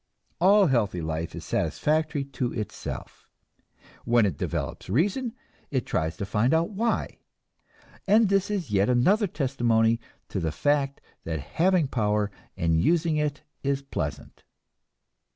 All healthy life is satisfactory to itself; when it develops reason, it tries to find out why, and this is yet another testimony to the fact that having power and using it is pleasant.